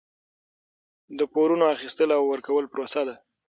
د پورونو اخیستل او ورکول پروسه ده.